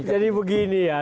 jadi begini ya